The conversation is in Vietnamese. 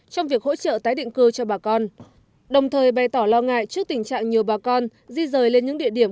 trong việc hỗ trợ tái định cư cho bà con đồng thời bày tỏ lo ngại trước tình trạng nhiều bà con di rời lên những địa điểm